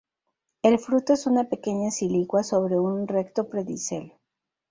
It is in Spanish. El fruto es una pequeña silicua sobre un recto pedicelo.